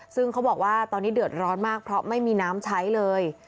ซึ่งเขาบอกว่าตอนนี้เดือดร้อนมากเพราะไม่มีน้ำใช้เลย